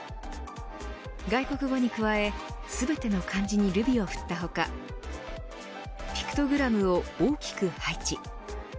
外国語に加え全ての漢字にルビをふった他ピクトグラムを大きく配置。